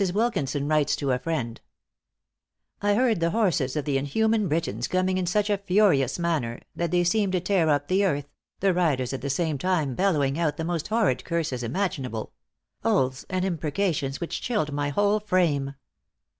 Wilkinson writes to a friend: "I heard the horses of the inhuman Britons coming in such a furious manner, that they seemed to tear up the earth, the riders at the same time bellowing out the most horrid curses imaginable oaths and imprecations which chilled my whole frame.